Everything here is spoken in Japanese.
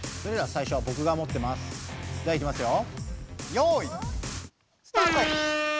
よいスタート！